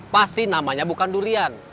pasti namanya bukan durian